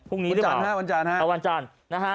วันจานค่ะวันจานนะฮะวันจาน